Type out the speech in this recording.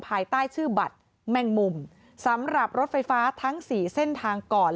ภายใต้ชื่อบัตรแมงมุมสำหรับรถไฟฟ้าทั้งสี่เส้นทางก่อน